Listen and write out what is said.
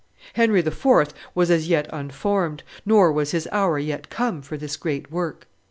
Henry IV. was as yet unformed, nor was his hour yet come for this great work.